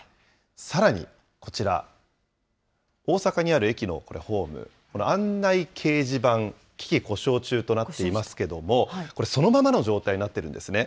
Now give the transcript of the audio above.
さらに、こちら、大阪にある駅のホーム、この案内掲示板、機器故障中となっていますけれども、これ、そのままの状態になっているんですね。